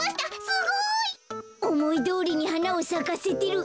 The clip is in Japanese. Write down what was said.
すごい！おもいどおりにはなをさかせてる。